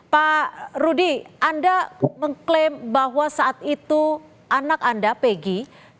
pak rudy anda mengklaim bahwa saat itu anak anda peggy